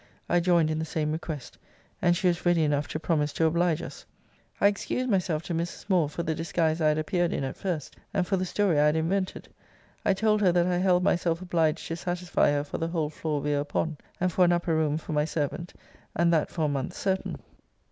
I joined in the same request; and she was ready enough to promise to oblige us. I excused myself to Mrs. Moore for the disguise I had appeared in at first, and for the story I had invented. I told her that I held myself obliged to satisfy her for the whole floor we were upon; and for an upper room for my servant, and that for a month certain.